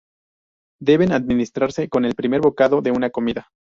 Deben administrarse con el primer bocado de una comida.